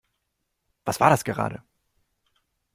Was war das gerade?